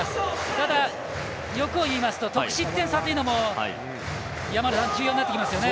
ただ、欲を言いますと得失点差といいますのも重要になってきますよね。